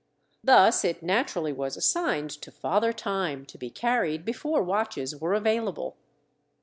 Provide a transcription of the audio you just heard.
Thus, it naturally was assigned to Father Time to be carried before watches were available.